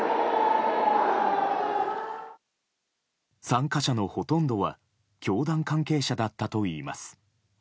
参加者のほとんどは教団関係者だったといいます。